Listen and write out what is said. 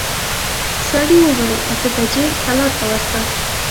سړي وويل اته بجې کلا ته ورسه.